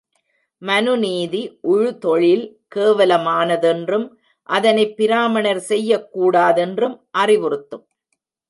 மனுநீதி உழுதொழில் கேவலமானதென்றும் அதனைப் பிராமணர் செய்யக் கூடாதென்றும் அறிவுறுத்தும்.